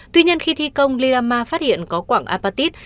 tuy nhiên khi thi công lila ma phát hiện có quảng apatit